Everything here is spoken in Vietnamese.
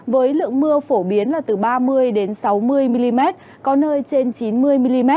với lượng mưa phổ biến là từ ba mươi sáu mươi mm có nơi trên chín mươi mm